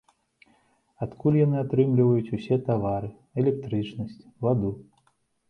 Адтуль яны атрымліваюць усе тавары, электрычнасць, ваду.